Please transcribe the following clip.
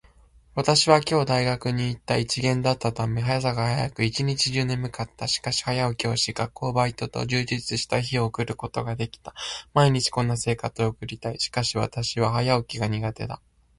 私は今日大学に行った。一限だったため、朝が早く、一日中眠たかった。しかし、早起きをし、学校、バイトと充実した日を送ることができた。毎日こんな生活を送りたい。しかし私は早起きが苦手だ。